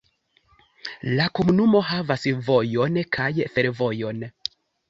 La komunumo havas vojon kaj fervojon.